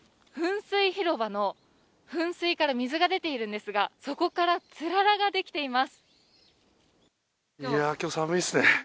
噴水広場の噴水から水が出ているんですが、そこから、つららができています。